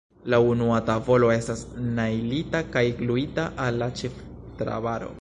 La unua tavolo estas najlita kaj gluita al la ĉeftrabaro.